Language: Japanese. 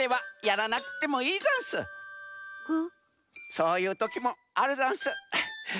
そういうときもあるざんす。